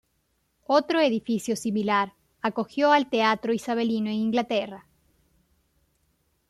Otro edificio similar acogió al teatro isabelino en Inglaterra.